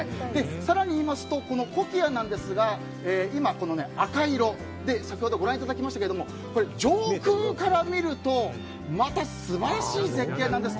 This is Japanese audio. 更にいうとこのコキアは赤色で先ほどご覧いただきましたが上空から見るとまた素晴らしい絶景なんです。